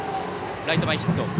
ライト前ヒット。